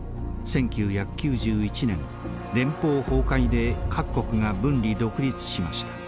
１９９１年連邦崩壊で各国が分離独立しました。